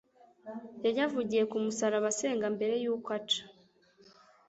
yayavugiye ku musaraba asenga mbere y’uko aca